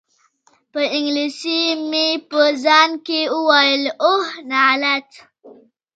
په انګلیسي مې په ځان کې وویل: اوه، لعنت!